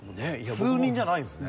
数人じゃないんですね。